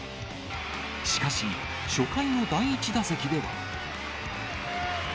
しかし、初回の第１打席では。